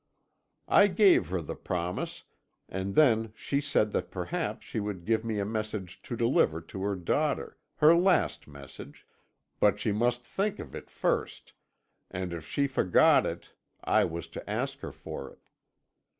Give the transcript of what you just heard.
"I gave her the promise, and then she said that perhaps she would give me a message to deliver to her daughter, her last message; but she must think of it first, and if she forgot it I was to ask her for it.